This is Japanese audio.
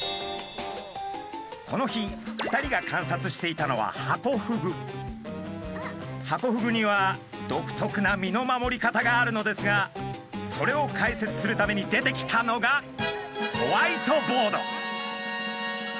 この日２人が観察していたのはハコフグには独特な身の守り方があるのですがそれを解説するために出てきたのがホワイトボード！